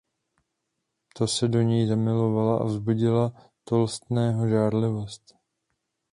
Ta se do něj zamilovala a vzbudila Tolstého žárlivost.